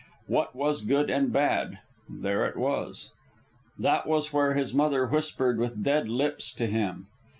What was good and bad? There it was. That was where his mother whispered with dead lips to him.